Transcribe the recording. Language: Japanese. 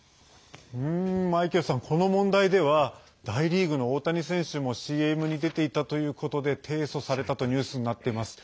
マイケルさん、この問題では大リーグの大谷選手もＣＭに出ていたということで提訴されたとニュースになっています。